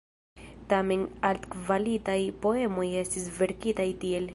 Tamen altkvalitaj poemoj estis verkitaj tiel.